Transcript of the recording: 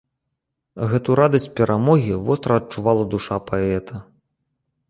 Гэту радасць перамогі востра адчувала душа паэта.